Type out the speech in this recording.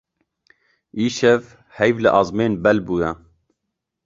Îşev heyv li ezmên bel bûye.